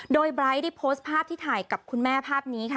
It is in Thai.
โดยไบร์ทได้โพสต์ภาพที่ถ่ายกับคุณแม่ภาพนี้ค่ะ